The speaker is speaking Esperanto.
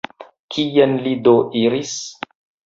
Kien li do iris?